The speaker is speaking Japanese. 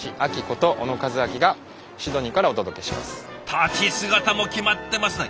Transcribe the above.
立ち姿もキマってますね！